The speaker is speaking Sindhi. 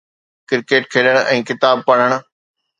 ڪرڪيٽ کيڏڻ ۽ ڪتاب پڙهڻ.